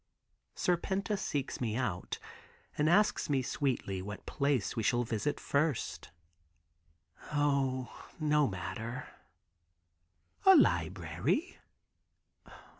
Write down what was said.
Serpenta seeks me out, and asks me sweetly what place we shall visit first. "O, no matter." "A library?"